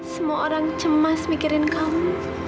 semua orang cemas mikirin kamu